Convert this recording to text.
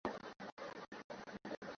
এটি উইকিপিডিয়ার ইংরেজি সংস্করণ।